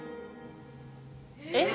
えっ？